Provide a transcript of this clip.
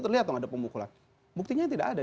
terlihat dong ada pembukulan buktinya tidak ada